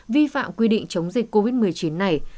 vi phạm quy định chống dịch covid một mươi chín này